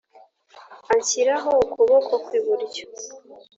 anshyiraho ukuboko kw’iburyo